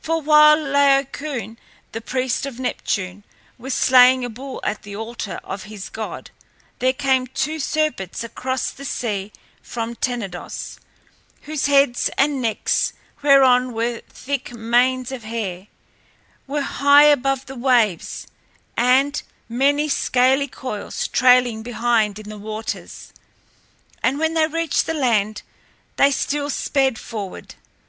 For while Laocoön, the priest of Neptune, was slaying a bull at the altar of his god, there came two serpents across the sea from Tenedos, whose heads and necks, whereon were thick manes of hair, were high above the waves, and many scaly coils trailed behind in the waters. And when they reached the land they still sped forward.